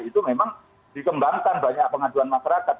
itu memang dikembangkan banyak pengaduan masyarakat